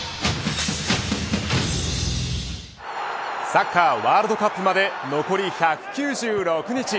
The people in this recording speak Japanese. サッカー、ワールドカップまで残り１９６日。